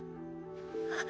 あっ。